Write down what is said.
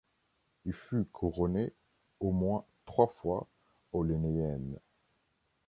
Il fut couronné au moins trois fois aux Lénéennes.